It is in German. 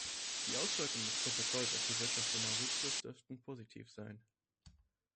Die Auswirkungen des Protokolls auf die Wirtschaft von Mauritius dürften positiv sein.